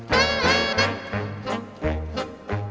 ไข่ไก่โอเยี่ยมอ้างอร่อยแท้อยากกิน